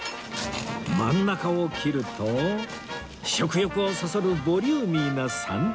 真ん中を切ると食欲をそそるボリューミーなサンドイッチに